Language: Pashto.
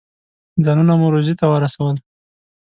ځانونه مو روضې ته ورسول.